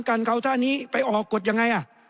กันเขาท่านี้ไปออกกฎยังไง